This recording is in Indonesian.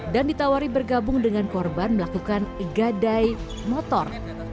dan ditawari bergabung dengan korban melakukan gadai motor